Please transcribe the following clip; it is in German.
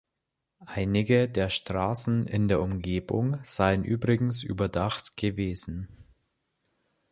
Einige der Straßen in der Umgebung seien übrigens überdacht gewesen.